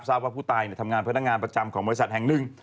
ทราบว่าผู้ตายเนี่ยทำงานเพื่อนหน้างานประจำของบริษัทแห่งหนึ่ง